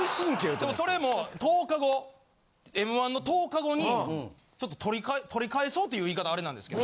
でもそれも１０日後『Ｍ−１』の１０日後にちょっと取り取り返そうって言い方アレなんですけど